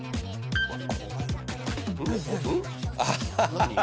何？